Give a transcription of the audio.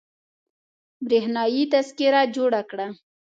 برېښنايي تذکره جوړه کړه